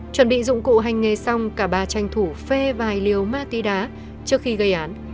chuẩn bị dụng cụ hành nghề xong cả bà tranh thủ phê vài liều ma túy đá trước khi gây án